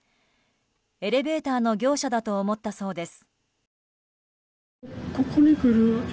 エレベーターの業者だと思ったそうです。